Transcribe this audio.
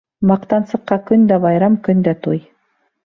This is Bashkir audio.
Маҡтансыҡҡа көн дә байрам, көн дә туй.